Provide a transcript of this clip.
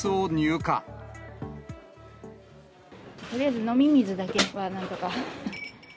とりあえず飲み水だけはなんとか。